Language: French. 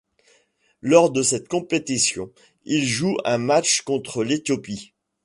Lors de cette compétition, il joue un match contre l'Éthiopie.